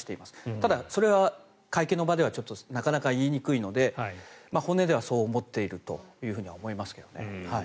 ただ、それは会見の場ではなかなか言いにくいので本音ではそう思っているとは思いますけどね。